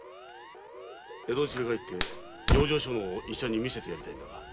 江戸に連れ帰って養生所の医者に診せてやりたいんだが。